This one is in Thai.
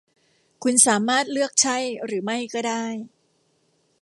คุณสามารถเลือกใช่หรือไม่ก็ได้